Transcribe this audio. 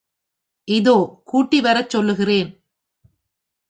இதோ கூட்டிவரச் சொல்லுகிறேன்.